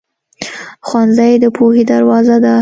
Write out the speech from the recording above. ښوونځی د پوهې دروازه ده.